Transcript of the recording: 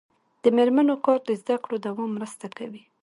د میرمنو کار د زدکړو دوام مرسته کوي.